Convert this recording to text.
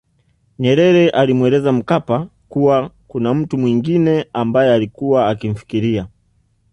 Nyerere alimweleza Mkapa kuwa kuna mtu mwengine ambaye ailikuwa akimfikiria